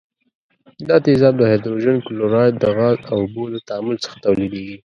دا تیزاب د هایدروجن کلوراید د غاز او اوبو له تعامل څخه تولیدیږي.